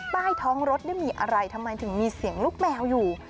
ใต้ท้องรถมีอะไรทำไมถึงมีเสียงลูกแมวอยู่